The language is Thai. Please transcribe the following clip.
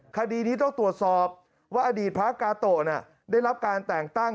คดีนี้ต้องตรวจสอบว่าอดีตพระกาโตะได้รับการแต่งตั้ง